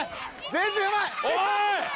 全然うまいおい！